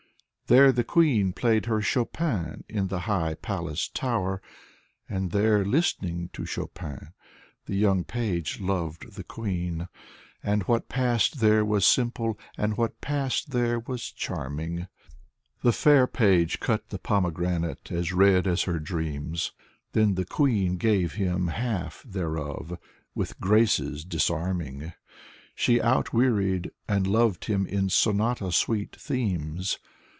... There the queen played her Chopin in the high palace tower. And there, listening to Chopin, the young page loved the queen. And what passed there was simple, and what passed there was charming: The fair page cut the pomegranate as red as her dreams, Then the queen gave him half thereof, with graces dis arming, She outwearied and loved him in sonata sweet themes.